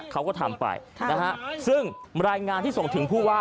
เขาก็ทำไปนะฮะซึ่งรายงานที่ส่งถึงผู้ว่า